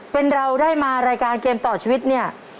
เป็นเราได้มารายการเกมต่อชีวิตเนี่ย